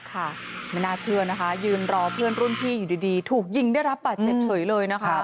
ค่ะไม่น่าเชื่อนะคะยืนรอเพื่อนรุ่นพี่อยู่ดีถูกยิงได้รับบาดเจ็บเฉยเลยนะคะ